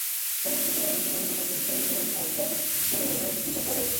Fue descrito en el informe de un funcionario imperial austríaco, que presenció dichos casos.